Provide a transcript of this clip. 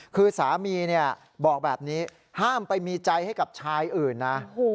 คือสามีบอกแบบนี้ห้ามไปมีใจให้กับชายอื่นนะ